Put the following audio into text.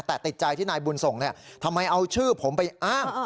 แต่ติดใจที่นายบุญส่งทำไมเอาชื่อผมไปอ้าง